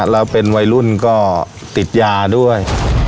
แล้วเป็นวัยรุ่นก็ติดยาด้วย